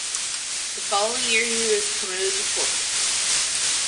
The following year he was promoted to corporal.